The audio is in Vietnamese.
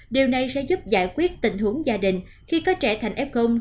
điều này sẽ giúp giải quyết tình huống gia đình khi có trẻ thành ép gông